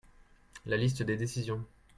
la liste des décisions.